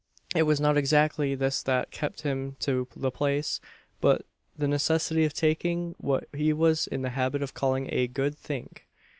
It was not exactly this that kept him to the place; but the necessity of taking what he was in the habit of calling a "good think."